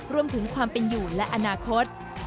รวมถึงความเป็นอยู่และอนาคต